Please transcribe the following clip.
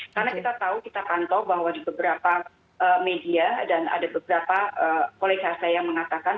karena kita tahu kita pantau bahwa di beberapa media dan ada beberapa kolegasa yang mengatakan